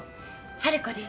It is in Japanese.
ハル子です。